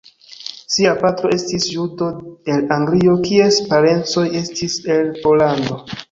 Sia patro estis judo el Anglio kies parencoj estis el Pollando.